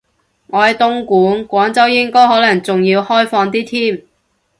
我喺東莞，廣州應該可能仲要開放啲添